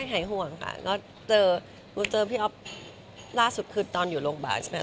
ใช่หายห่วงค่ะก็เจอมึงเจอพี่ออกล่าสุดคืนตอนอยู่โรงบาลใช่ไหม